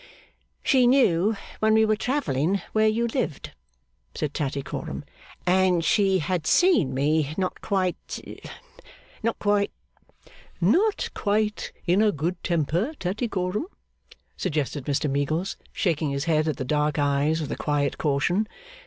'She knew, when we were travelling, where you lived,' said Tattycoram, 'and she had seen me not quite not quite ' 'Not quite in a good temper, Tattycoram?' suggested Mr Meagles, shaking his head at the dark eyes with a quiet caution.